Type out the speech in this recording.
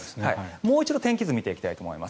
もう一度、天気図を見ていきたいと思います。